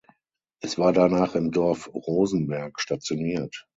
Es war danach im Dorf Rosenberg stationiert.